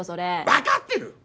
わかってる！